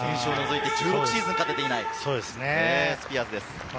１６シーズン勝てていない、スピアーズです。